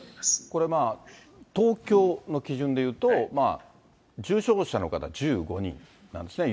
これ、東京の基準でいうと、重症者の方１５人なんですね。